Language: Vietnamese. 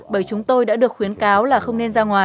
bởi chúng tôi đã được khuyến cáo là không nên ra ngoài